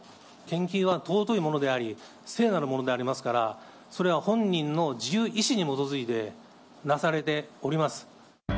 献金は尊いものであり、聖なるものでありますから、それは本人の自由意思に基づいてなされております。